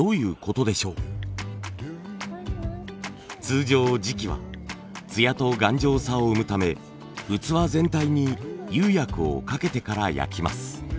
通常磁器は艶と頑丈さを生むため器全体に釉薬をかけてから焼きます。